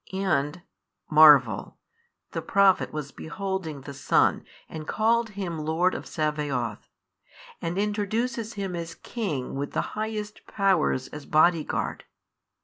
And (marvel!) the Prophet was beholding the Son and called Him Lord of Sabaoth, and introduces Him as King with the highest Powers as Body guard.